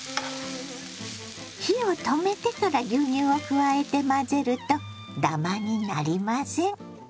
火を止めてから牛乳を加えて混ぜるとダマになりません。